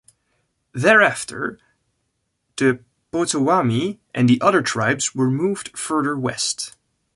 Thereafter, the Potowatomie and other tribes were moved further west.